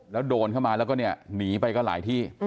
แล้วโดนเข้ามาหนีไปก็หลายที่